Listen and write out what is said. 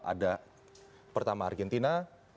ada pertama argentina